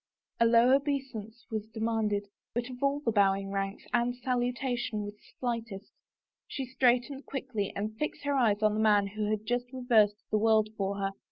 A low obeisance was demanded, but of all the bowing ranks Anne's salutation was the slightest; she straight ened quickly and fixed her eyes on the man who had just reversed the world for her.